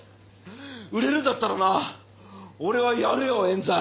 売れるんだったらな俺はやるよ冤罪。